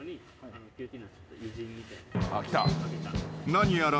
［何やら］